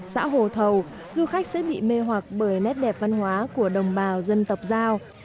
xã hồ thầu du khách sẽ bị mê hoặc bởi nét đẹp văn hóa của đồng bào dân tộc giao